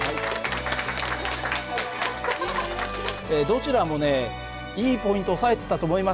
どちらもねいいポイント押さえてたと思いますよ。